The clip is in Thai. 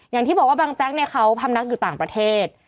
อย่างที่บอกว่าบางแจ๊กเนี่ยเขาพำนักอยู่ต่างประเทศ